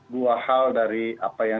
dua hal dari apa yang